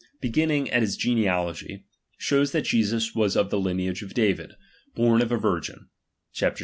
beginning at his genealogy, ^H shows that Jesus was of the lineage of David, born ^H of a virgin : chap, ii.